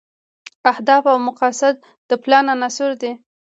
اهداف او مقاصد د پلان عناصر دي.